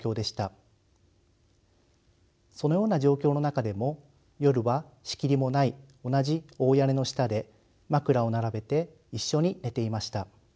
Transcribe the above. そのような状況の中でも夜は仕切りもない同じ大屋根の下で枕を並べて一緒に寝ていました。